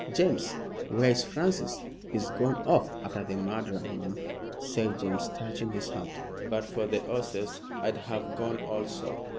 "James, where is Francis?" "He's gone off after the murderer, mum," said James, touching his hat; "but for the 'orses I'd have gone also."